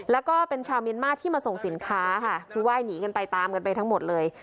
แล้วก็เป็นชาวเมียนมาร์ที่มาส่งสินค้าค่ะคือไหว้หนีกันไปตามกันไปทั้งหมดเลย